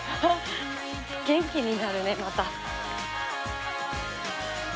元気になるねまた。